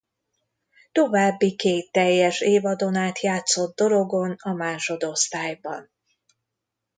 További két teljes évadon át játszott Dorogon a másodosztályban.